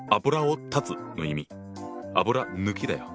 油抜きだよ。